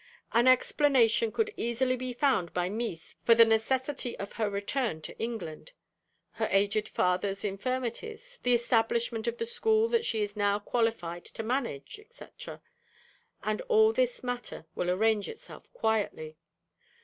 An explanation could easily be found by 'Mees' for the necessity of her return to England: her aged father's infirmities, the establishment of the school that she is now qualified to manage, etc. and all this matter will arrange itself quietly.